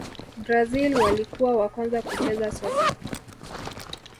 brazil walikuwa wa kwanza kucheza soka